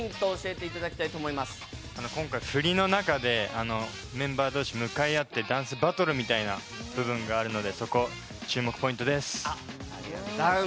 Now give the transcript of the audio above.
今回、振りの中でメンバー同士向かい合ってダンスバトルみたいな部分があるのでそこ、注目ポイントです。